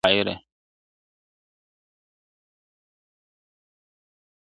اوس به څه ليكې شاعره-